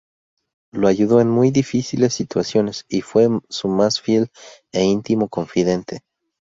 Lo ayudó en muy difíciles situaciones y fue su más fiel e íntimo confidente.